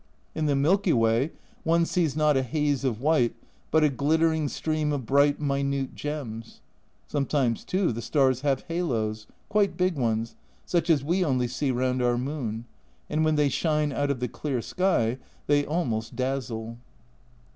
In the milky way one sees not a haze of white, but a glittering stream of bright minute gems. Sometimes too the stars have haloes, quite big ones, such as we only see round our moon, and when they shine out of the clear sky they almost dazzle.